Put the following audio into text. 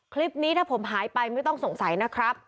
คลิปนี้ถ้าผมหายไปไม่ต้องสงสัยนะครับ